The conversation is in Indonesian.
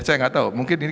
saya gak tau mungkin ini